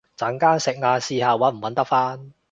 陣間食晏試下搵唔搵得返